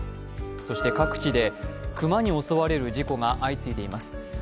そして各地で熊に襲われる事故が相次いでいます。